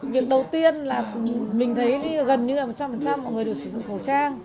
việc đầu tiên là mình thấy gần như là một trăm linh mọi người được sử dụng khẩu trang